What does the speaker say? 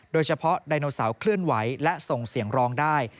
โดยเฉพาะไดโนเสาร์เคลื่อนไหวและส่งเสียงร้องได้